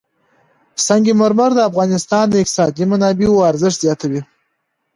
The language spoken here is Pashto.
سنگ مرمر د افغانستان د اقتصادي منابعو ارزښت زیاتوي.